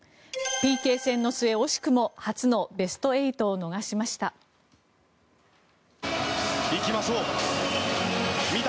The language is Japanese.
ＰＫ戦の末、惜しくも初のベスト８を逃しました。